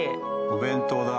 お弁当だ。